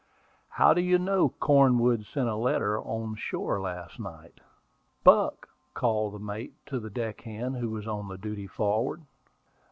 "How do you know Cornwood sent a letter on shore last night?" "Buck," called the mate to the deck hand who was on duty forward.